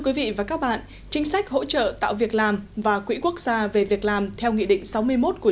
quý vị và các bạn chính sách hỗ trợ tạo việc làm và quỹ quốc gia về việc làm theo nghị định sáu mươi một của